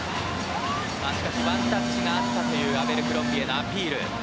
しかしワンタッチがあったというアベルクロンビエのアピール。